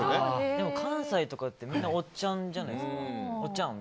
でも関西とかって、みんなおっちゃんじゃないですか？